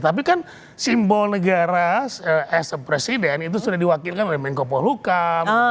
tapi kan simbol negara as a president itu sudah diwakilkan oleh menko polhukam